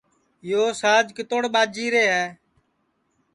یو ساج کِتوڑ ٻاجیرے ہے